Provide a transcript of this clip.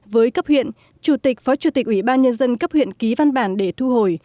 với cấp huyện chủ tịch phó chủ tịch ủy ban nhân dân cấp huyện ký văn bản để thu hồi